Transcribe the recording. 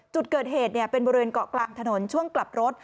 จุดเกิดเหตุเป็นบริเวณเกาะกลางถนนช่วงกลับรถ